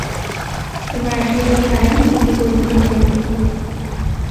তোমার আশির্বাদ ছাড়াই নিজেকে গড়ে তুলেছি আমি।